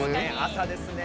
「朝ですね」